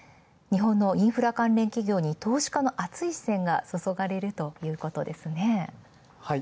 インフラ関連企業に投資家の熱い視線が注がれるということですね。